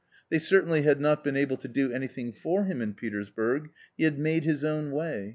They certainly had not been able to do anything for him in Petersburg, he had made his own way